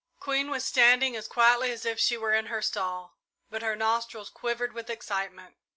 Queen was standing as quietly as if she were in her stall, but her nostrils quivered with excitement.